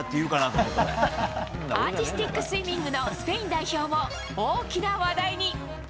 アーティスティックスイミングのスペイン代表も大きな話題に。